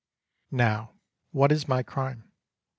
Now, what is my crime?